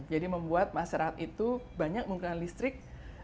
jadi membuat masyarakat itu banyak menggunakan listrik